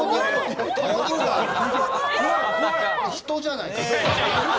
人じゃないかと。